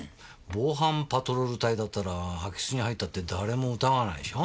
防犯パトロール隊だったら空き巣に入ったって誰も疑わないでしょ？